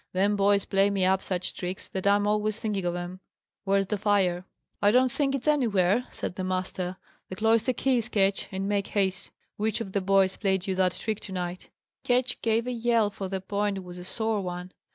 "Them boys play me up such tricks, that I'm always thinking of 'em. Where's the fire?" "I don't think it's anywhere," said the master. "The cloister keys, Ketch: and make haste. Which of the boys played you that trick to night?" Ketch gave a yell, for the point was a sore one.